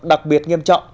đặc biệt nghiêm trọng